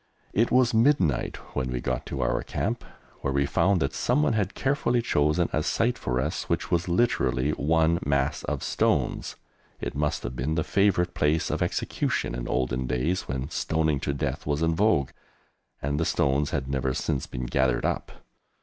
It was midnight when we got to our camp, where we found that someone had carefully chosen a site for us which was literally one mass of stones. It must have been the favourite place of execution in olden days when stoning to death was in vogue, and the stones had never since been gathered up!